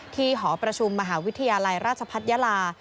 หอประชุมมหาวิทยาลัยราชพัฒนยาลา